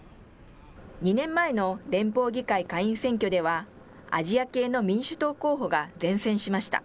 ２年前の連邦議会下院選挙では、アジア系の民主党候補が善戦しました。